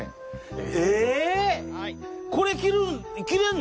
えこれ着れんの？